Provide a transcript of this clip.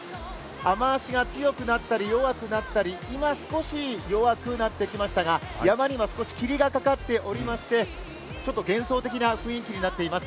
雨脚が強くなったり弱くなったり、今、少し弱くなってきましたが山には少し霧がかかっておりましてちょっと幻想的な雰囲気になっています